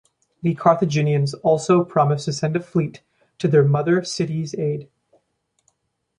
The Carthaginians also promised to send a fleet to their mother city's aid.